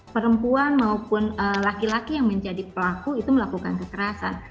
perempuan maupun laki laki yang menjadi pelaku itu melakukan kekerasan